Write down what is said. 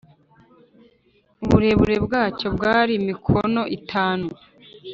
Uburebure bwacyo bwari mikono itanu